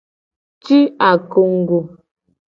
Ci akongugo.